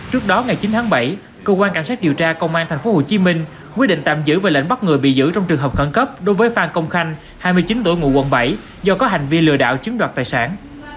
trước đó ngày chín tháng bảy cơ quan cảnh sát điều tra công an thành phố hồ chí minh quyết định tạm giữ về lệnh bắt người bị giữ trong trường hợp khẩn cấp đối với phan công khanh hai mươi chín tuổi ngụ quận bảy do có hành vi lừa đảo chiếm đoạt tài sản